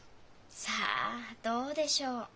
さあどうでしょう？